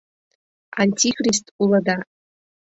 — Антихрист улыда!